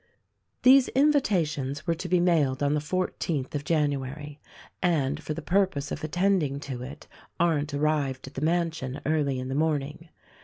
These invitations were to be mailed on the fourteenth of January ; and for the purpose of attending to it Arndt arrived at the mansion early in the morning.